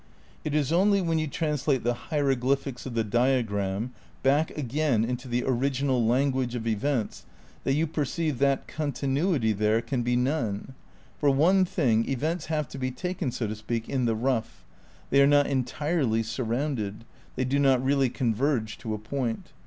It is only when you translate the hiero glyphics of the diagram back again into the original language of events that you perceive that continuity there can be none. For one thing, events have to b& taken, so to speak, in the rough; they are not entirely surrounded; they do not really converge to a point.